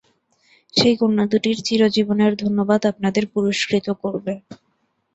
সেই কন্যা দুটির চিরজীবনের ধন্যবাদ আপনাদের পুরস্কৃত করবে।